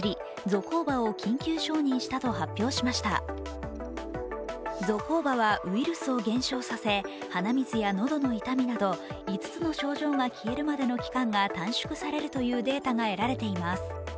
ゾコーバはウイルスを減少させ鼻水や喉の痛みなど５つの症状が消えるまでの期間が短縮されるというデータが得られています。